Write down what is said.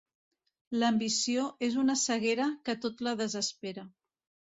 L'ambició és una ceguera que tot la desespera.